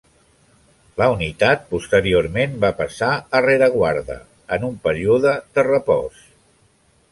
La unitat posteriorment va passar a rereguarda, en un període de repòs.